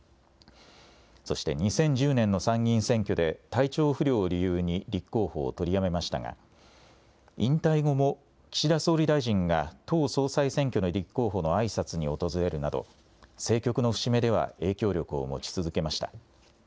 そして２０１０年の参議院選挙で体調不良を理由に立候補を取りやめましたが、引退後も岸田総理大臣が党総裁選挙の立候補のあいさつに訪れるなど、政局の節目では影響力を持ち続けました。